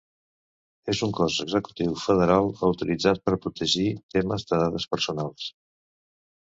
És un cos executiu federal autoritzat per protegir temes de dades personals.